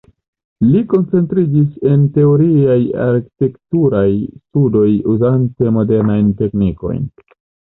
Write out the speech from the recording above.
Li koncentriĝis en teoriaj arkitekturaj studoj uzante modernajn teknikojn.